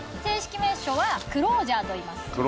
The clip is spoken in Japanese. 正式名称はクロージャーといいます。